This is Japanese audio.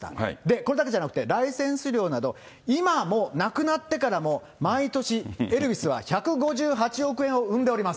これだけじゃなくてライセンス料など、今も、亡くなってからも、毎年エルビスは１５８億円を生んでおります。